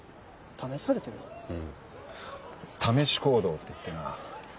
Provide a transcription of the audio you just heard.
試し行動っていってな